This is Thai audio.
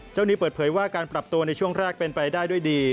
เจ้านี้เปิดเผยว่าการปรับตัวในช่วงแรกเป็นไปได้ด้วยดี